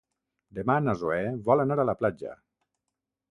Demà na Zoè vol anar a la platja.